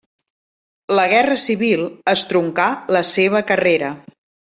La Guerra Civil estroncà la seva carrera.